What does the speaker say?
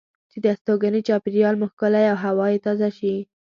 چې د استوګنې چاپیریال مو ښکلی او هوا یې تازه شي.